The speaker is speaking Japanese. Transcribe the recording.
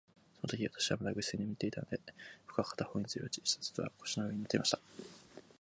そのとき、私はまだぐっすり眠っていたので、服は片方にずり落ち、シャツは腰の上に載っていました。